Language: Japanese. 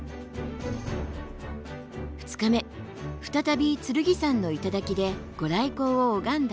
２日目再び剣山の頂でご来光を拝んだ